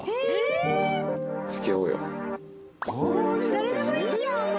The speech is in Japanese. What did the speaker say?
誰でもいいじゃんお前！